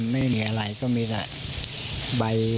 ไม่มีอะไรก็มีแหละ